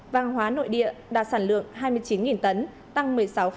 và hàng hóa nội địa đạt sản lượng hai mươi chín tấn tăng một mươi sáu sáu